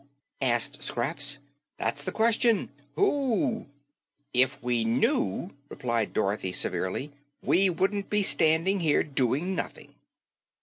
asked Scraps. "That's the question. Who?" "If we knew," replied Dorothy severely, "we wouldn't be standing here doing nothing."